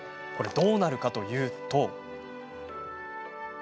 どうなるかというと。